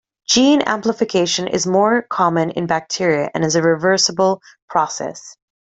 Gene amplification is more common in bacteria and is a reversible process.